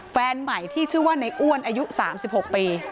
แฟนใหม่ที่ชื่อว่าในอ้วนอายุ๓๖ปี